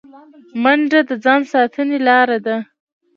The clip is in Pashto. منډه د ځان ساتنې لاره ده